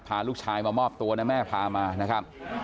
พาลูกชายมามอบตัวนะแม่พามานะครับ